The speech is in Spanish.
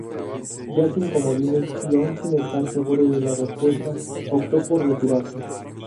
Ya sin comodines y aun sin estar seguro de la respuesta opto por retirarse.